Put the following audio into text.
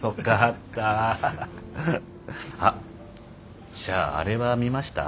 あっじゃああれは見ました？